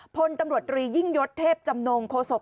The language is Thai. พลตำรวจตรียิ่งยศเทพจำนงโฆษก